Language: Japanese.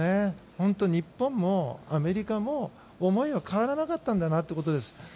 本当、日本もアメリカも思いは変わらなかったんだなということです。